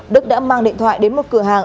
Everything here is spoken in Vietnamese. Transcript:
đức đã mang điện thoại đến một cửa hàng